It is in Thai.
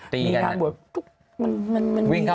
มีอย่างกับบัวปุ๊บ